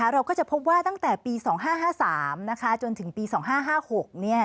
เราก็จะพบว่าตั้งแต่ปี๒๕๕๓จนถึงปี๒๕๕๖